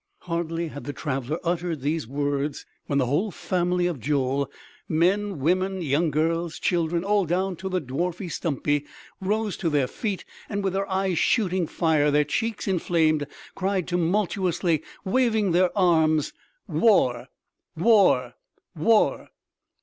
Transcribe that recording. Hardly had the traveler uttered these words when the whole family of Joel men, women, young girls, children all down to the dwarfy Stumpy, rose to their feet and with their eyes shooting fire, their cheeks inflamed, cried tumultuously, waving their arms: "War! War! War!"